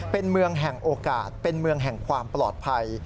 เป็นเมืองแห่งโอกาสเป็นเมืองแห่งความปลอดภัย